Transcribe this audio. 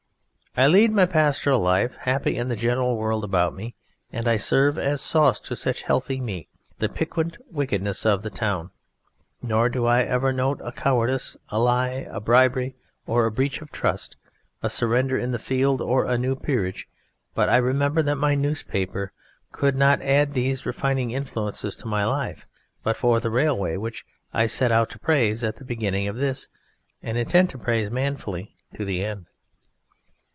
I lead my pastoral life, happy in the general world about me, and I serve, as sauce to such healthy meat, the piquant wickedness of the town; nor do I ever note a cowardice, a lie, a bribery, or a breach of trust, a surrender in the field, or a new Peerage, but I remember that my newspaper could not add these refining influences to my life but for the railway which I set out to praise at the beginning of this and intend to praise manfully to the end.